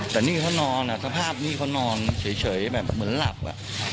แต่นี่เขานอนสภาพนี่เขานอนเฉยแบบเหมือนหลับอ่ะ